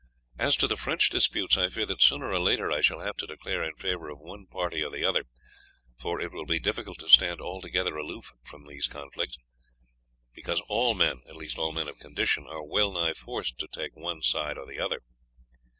As to the French disputes, I fear that sooner or later I shall have to declare in favour of one party or the other, for it will be difficult to stand altogether aloof from these conflicts, because all men, at least all men of condition, are well nigh forced to take one side or the other.